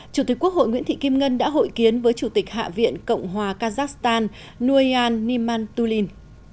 chủ tịch quốc hội nguyễn thị kim ngân đã hội kiến với chủ tịch hạ viện cộng hòa kazakhstan nguyan nirmatulin